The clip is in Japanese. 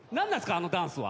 あのダンスは。